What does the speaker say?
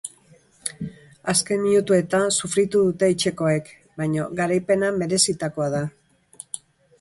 Azken minutuetan sufritu dute etxekoek, baina garaipena merezitakoa da.